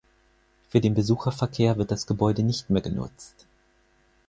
Für den Besucherverkehr wird das Gebäude nicht mehr genutzt.